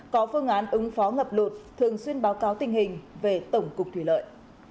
có phương án ứng phó ngập lụt thường xuyên báo cáo tình hình về tổng cục thủy lợi